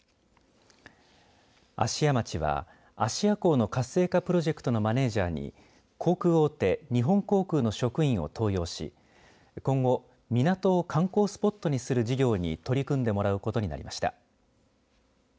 芦屋町は芦屋港の活性化プロジェクトのマネージャーに航空大手、日本航空の職員を登用し今後、港を観光スポットにする事業に取り組んでもらうことになりました。